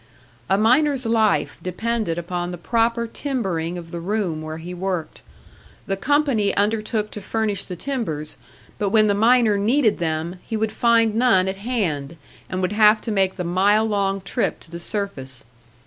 A miner's life depended upon the proper timbering of the room where he worked. The company undertook to furnish the timbers, but when the miner needed them, he would find none at hand, and would have to make the mile long trip to the surface.